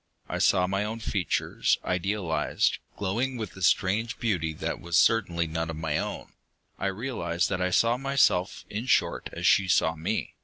I saw my own features, idealized, glowing with a strange beauty that was certainly none of my own. I realized that I saw myself, in short, as she saw me.